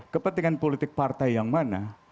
kepentingan politik partai yang mana